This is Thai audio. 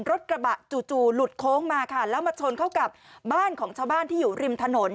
รถกระบะจู่หลุดโค้งมาค่ะแล้วมาชนเข้ากับบ้านของชาวบ้านที่อยู่ริมถนน